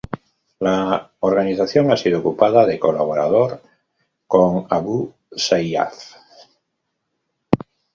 La organización ha sido culpada de colaborar con Abu Sayyaf.